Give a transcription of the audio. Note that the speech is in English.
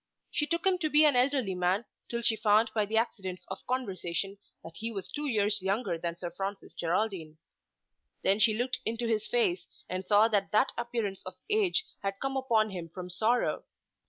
She took him to be an elderly man, till she found by the accidents of conversation that he was two years younger than Sir Francis Geraldine. Then she looked into his face and saw that that appearance of age had come upon him from sorrow.